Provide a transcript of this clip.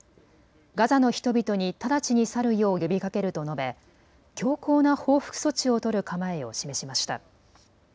ガザの人々に直ちに去るよう呼びかけると述べ強硬な報復措置を取る構えを示しました。